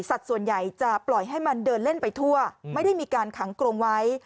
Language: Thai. ส่วนใหญ่จะปล่อยให้มันเดินเล่นไปทั่วไม่ได้มีการขังกรงไว้